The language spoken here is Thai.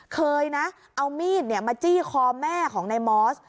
เคยนะเอามีดมาจี้คอแม่ของนายมอส